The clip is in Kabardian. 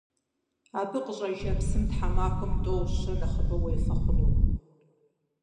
Абы къыщӏэжа псым тхьэмахуэм тӏэу-щэ нэхъыбэ уефэ хъунукъым.